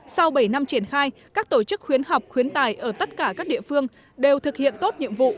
sau bảy năm triển khai các tổ chức khuyến học khuyến tài ở tất cả các địa phương đều thực hiện tốt nhiệm vụ